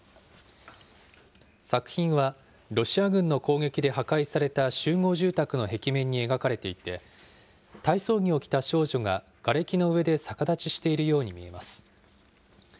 作品は、ロシア軍の攻撃で破壊された集合住宅の壁面に描かれていて、体操着を着た少女ががれきの上で逆立ちしているように見えます。